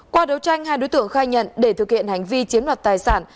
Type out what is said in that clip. qua đấu tranh hai đối tượng khai nhận để thực hiện hành vi chiếm đoạt tài sản